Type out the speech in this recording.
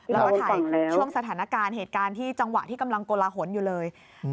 แล้วถ่ายช่วงสถานการณ์เหตุการณ์ที่กำลังกละหละหลนอยู่เลย